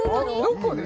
どこで？